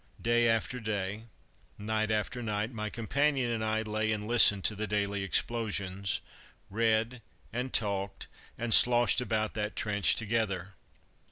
Day after day, night after night, my companion and I lay and listened to the daily explosions, read, and talked, and sloshed about that trench together.